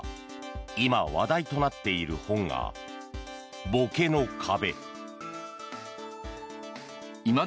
今、話題となっている本が「ぼけの壁」。